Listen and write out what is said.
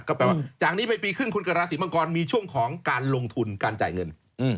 ก็แปลว่าจากนี้ไปปีครึ่งคนเกิดราศีมังกรมีช่วงของการลงทุนการจ่ายเงิน